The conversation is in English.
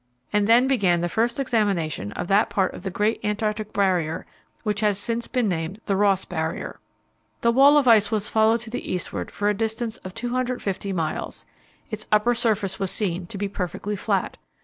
And then began the first examination of that part of the great Antarctic Barrier which has since been named the Ross Barrier. The wall of ice was followed to the eastward for a distance of 250 miles. Its upper surface was seen to be perfectly flat.